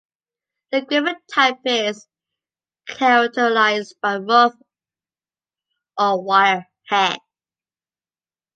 The griffon type is characterized by rough or wire-hair.